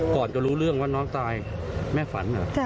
ก่อนจะรู้เรื่องว่าน้องตายแม่ฝันเหรอ